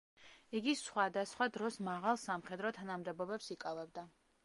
იგი სხვადასხვა დროს მაღალ სამხედრო თანამდებობებს იკავებდა.